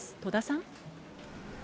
戸田さん。